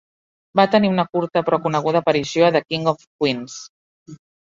Va tenir una curta però coneguda aparició a 'The King of Queens'.